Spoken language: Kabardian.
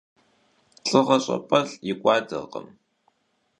Lh'ığe ş'ap'e lh'ı yik'uaderkhım.